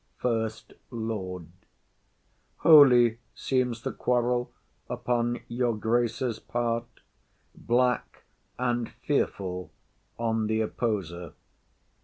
FIRST LORD. Holy seems the quarrel Upon your Grace's part; black and fearful On the opposer.